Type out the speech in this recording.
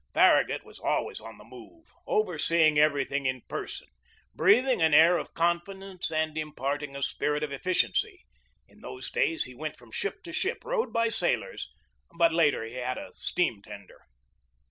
Far ragut was always on the move, overseeing every thing in person, breathing an air of confidence and imparting a spirit of efficiency. In those days he went from ship to ship, rowed by sailors, but later he had a steam tender.